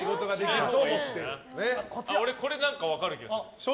俺、これ分かる気がする。